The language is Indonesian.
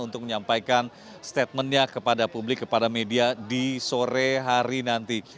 untuk menyampaikan statementnya kepada publik kepada media di sore hari nanti